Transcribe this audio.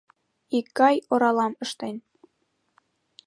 Икгай оралам ыштен